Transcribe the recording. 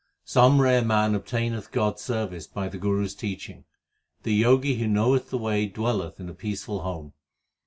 Some rare man obtaineth God s service by the Guru s teaching. The Jogi who knoweth the way dwelleth in a peaceful home.